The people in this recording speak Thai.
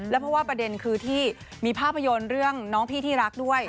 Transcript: เพราะว่าประเด็นคือที่มีภาพยนตร์เรื่องน้องพี่ที่รักด้วย